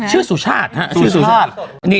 ชื่อสุชาติ